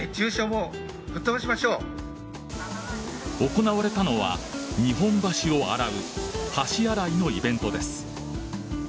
行われたのは日本橋を洗う橋洗いのイベントです。